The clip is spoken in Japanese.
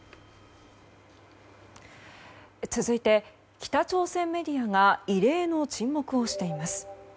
続いて北朝鮮メディアが異例の沈黙をしています。